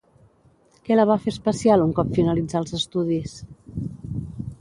Què la va fer especial un cop finalitzà els estudis?